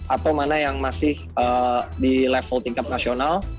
atau mana yang masih di level tingkat nasional